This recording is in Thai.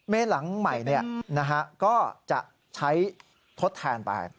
หลังใหม่ก็จะใช้ทดแทนไป